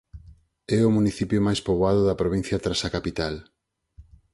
É o municipio máis poboado da provincia tras a capital.